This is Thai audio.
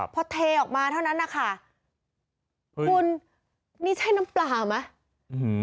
พอเทออกมาเท่านั้นนะคะคุณนี่ใช่น้ำปลาไหม